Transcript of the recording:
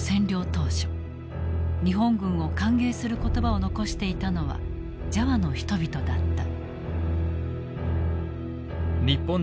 当初日本軍を歓迎する言葉を残していたのはジャワの人々だった。